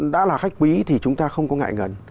đã là khách quý thì chúng ta không có ngại ngần